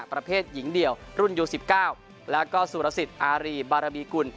ประเภทหญิงเดี่ยวรุ่นยู๑๙แล้วก็สุรสิทธิอารีบารมีกุล